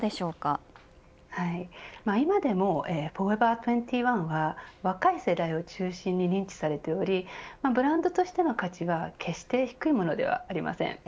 今でもフォーエバー２１は若い世代を中心に認知されておりブランドとしての価値は決して低いものではありません。